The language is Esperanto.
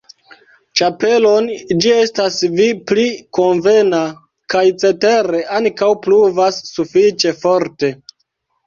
ĉapelon, ĝi estas al vi pli konvena, kaj cetere ankaŭ pluvas sufiĉe forte.